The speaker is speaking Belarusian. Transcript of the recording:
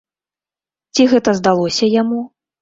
Ці гэта здалося яму?